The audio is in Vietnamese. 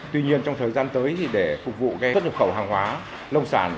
tuy nhiên trong thời gian tới thì để phục vụ xuất nhập khẩu hàng hóa nông sản